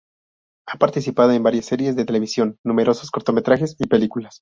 Ha participado en varias series de televisión, numerosos cortometrajes y películas.